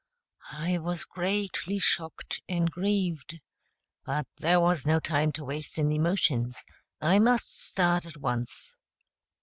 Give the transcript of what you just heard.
I was greatly shocked and grieved, but there was no time to waste in emotions; I must start at once.